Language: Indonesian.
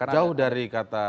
jauh dari kata